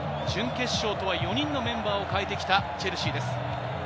準決勝とは４人のメンバーを変えてきたチェルシーです。